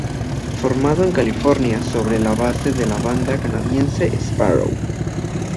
Formado en California sobre la base de la banda canadiense Sparrow.